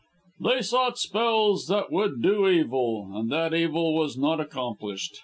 They sought spells that would do evil, and that evil was not accomplished.